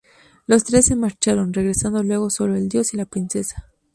Los tres se marcharon, regresando luego sólo el dios y la princesa.